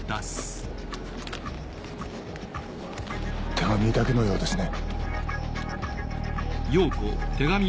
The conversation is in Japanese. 手紙だけのようですね。